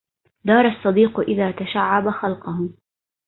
دار الصديق إذا تشعب خلقه